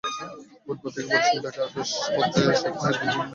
বুধবার থেকে বরিশাল-ঢাকা আকাশপথে সপ্তাহে দুই দিন বিমান সার্ভিস চালু হবে।